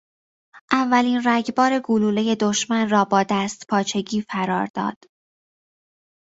اولین رگبار گلوله دشمن را با دستپاچگی فرار داد.